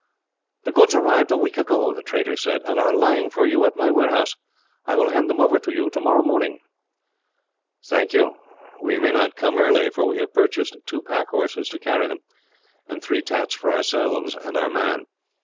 "The goods arrived a week ago," the trader said, "and are lying for you at my warehouse. I will hand them over to you, tomorrow morning." "Thank you. We may not come early, for we have to purchase two pack horses to carry them, and three tats for ourselves and our man.